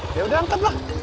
ya udah angkat lah